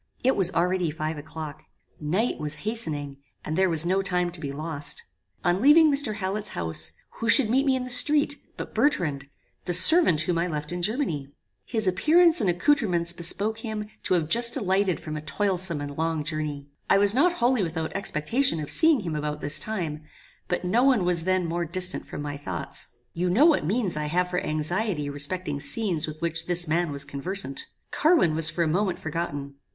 It was already five o'clock. Night was hastening, and there was no time to be lost. On leaving Mr. Hallet's house, who should meet me in the street, but Bertrand, the servant whom I left in Germany. His appearance and accoutrements bespoke him to have just alighted from a toilsome and long journey. I was not wholly without expectation of seeing him about this time, but no one was then more distant from my thoughts. You know what reasons I have for anxiety respecting scenes with which this man was conversant. Carwin was for a moment forgotten.